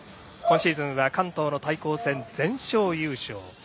今シーズンは関東の対抗戦、全勝優勝。